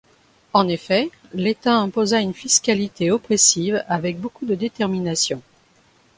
En effet, l’État imposa une fiscalité oppressive avec beaucoup de détermination.